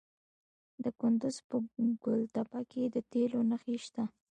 د کندز په ګل تپه کې د تیلو نښې شته.